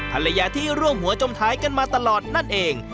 ภรรยาที่ร่วมหัวจมท้ายกันมาตลอดนั่นเอง